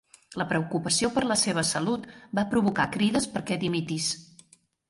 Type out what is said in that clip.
La preocupació per la seva salut va provocar crides perquè dimitís.